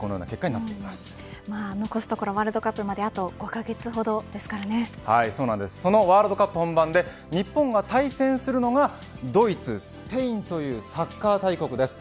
残すところワールドカップまでそのワールドカップ本番で日本が対戦するのがドイツスペインというサッカー大国です。